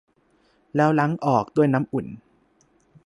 แล้วล้างออกด้วยน้ำอุ่น